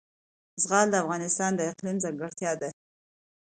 زغال د افغانستان د اقلیم ځانګړتیا ده.